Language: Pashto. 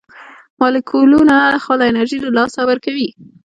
مالیکولونه خپله انرژي له لاسه ورکوي.